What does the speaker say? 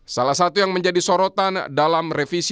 salah satu yang menjadi sorotan dalam revisi